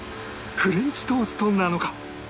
フレンチトーストなのか？